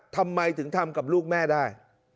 ทำไมถึงทำกับลูกแม่ได้